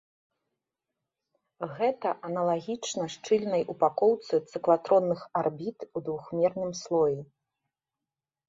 Гэта аналагічна шчыльнай упакоўцы цыклатронных арбіт ў двухмерным слоі.